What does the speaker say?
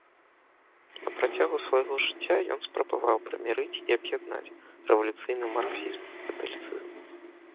На працягу свайго жыцця ён спрабаваў прымірыць і аб'яднаць рэвалюцыйны марксізм і каталіцызм.